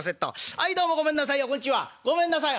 はいどうもごめんなさいよこんちはごめんなさい」。